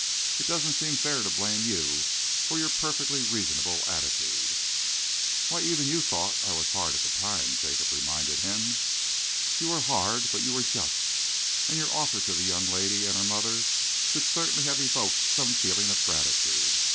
It doesn't seem fair to blame you for your perfectly reasonable attitude." "Why, even you thought I was hard at the time," Jacob reminded him. "You were hard but you were just, and your offer to the young lady and her mother should certainly have evoked some feeling of gratitude.